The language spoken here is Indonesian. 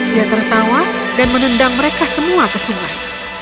dia tertawa dan menendang mereka semua ke sungai